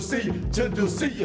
ちゃんとせいや！」